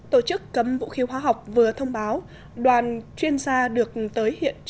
tổ chức cấm vũ khí hoa học vừa thông báo